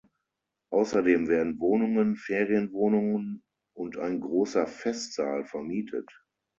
Außerdem werden Wohnungen, Ferienwohnungen und ein großer Festsaal vermietet.